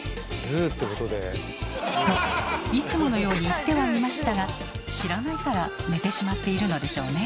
ＺＯＯってことで。といつものように言ってはみましたが知らないから寝てしまっているのでしょうね。